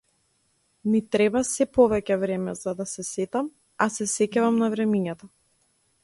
Ми треба сѐ повеќе време за да се сетам, а се сеќавам на времињата.